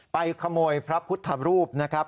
ไปขโมยพระพุทธรูปนะครับ